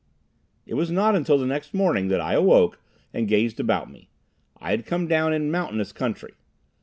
It was not until the next morning that I awoke and gazed about me. I had come down in mountainous country.